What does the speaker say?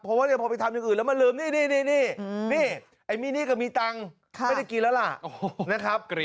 เพราะว่าพอไปทำอย่างอื่นแล้วมาลืมนี่ไอ้มี่นี่ก็มีตังค์ไม่ได้กินแล้วล่ะนะครับ